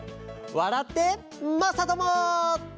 「わらってまさとも！」。